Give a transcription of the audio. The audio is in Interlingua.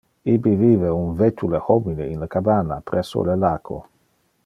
Ibi vive un vetule homine in le cabana presso le laco.